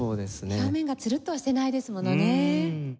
表面がツルッとはしてないですものね。